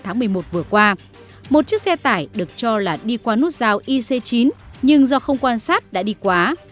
trong tuyến cao tốc nội bài lào cai vào ngày một mươi ba tháng năm một chiếc xe tải được cho là đi qua nút giao ic chín nhưng do không quan sát đã đi quá